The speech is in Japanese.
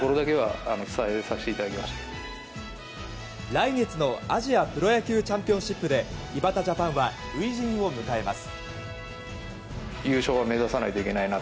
来月のアジアプロ野球チャンピオンシップで井端ジャパンは初陣を迎えます。